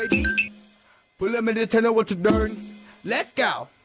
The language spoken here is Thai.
สมัครข่าวเด็ก